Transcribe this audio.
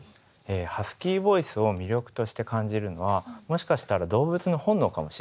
ハスキーボイスを魅力として感じるのはもしかしたら動物の本能かもしれないんですね。